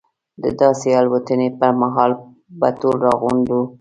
د داسې الوتنې پر مهال به ټول راغونډ وو.